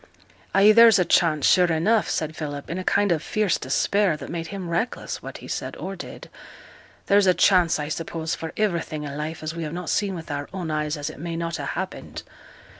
'Ay, there's a chance, sure enough,' said Philip, in a kind of fierce despair that made him reckless what he said or did. 'There's a chance, I suppose, for iverything i' life as we have not seen with our own eyes as it may not ha' happened.